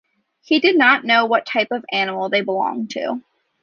He did not know what type of animal they belonged to.